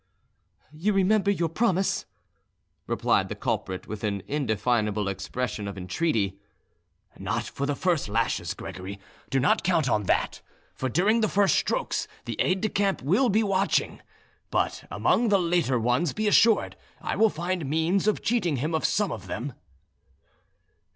"You remember your promise?" replied the culprit, with an indefinable expression of entreaty. "Not for the first lashes, Gregory; do not count on that, for during the first strokes the aide de camp will be watching; but among the later ones be assured I will find means of cheating him of some of them."